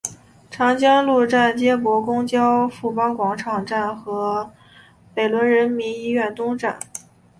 长江路站接驳公交富邦广场站和北仑人民医院东站。